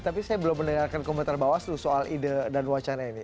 tapi saya belum mendengarkan komentar bawaslu soal ide dan wacana ini